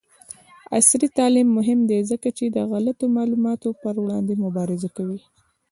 عصري تعلیم مهم دی ځکه چې د غلطو معلوماتو پر وړاندې مبارزه کوي.